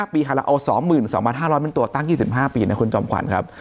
ปีค่ะเราเอา๒๒๕๐๐เป็นตัวตั้ง๒๕ปีนะคุณจอมขวัญครับ